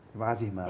terima kasih mbak